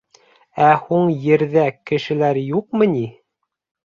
Ә һуң Ерҙә кешеләр юҡмы ни?